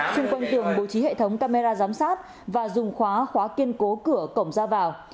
xung quanh tường bố trí hệ thống camera giám sát và dùng khóa khóa kiên cố cửa cổng ra vào